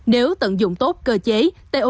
nếu tận dụng tốt cơ chế tod sẽ giúp lưỡng thành phố